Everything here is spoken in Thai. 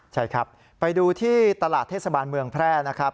ใช่ครับไปดูที่ตลาดเทศบาลเมืองแพร่นะครับ